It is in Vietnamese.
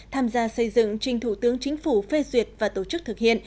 tham gia xây dựng trình thủ tướng chính phủ phê duyệt và tổ chức thực hiện